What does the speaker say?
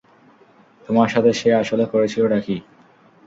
তোমার সাথে সে আসলে করেছিলটা কী?